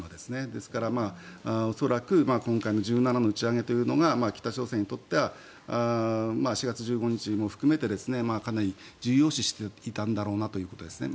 ですから、恐らく今回の１７の打ち上げというのが北朝鮮にとっては４月１５日も含めてかなり重要視していたんだろうなということですね。